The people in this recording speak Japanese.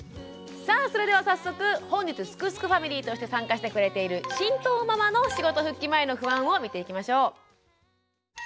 それでは早速本日すくすくファミリーとして参加してくれている神藤ママの仕事復帰前の不安を見ていきましょう。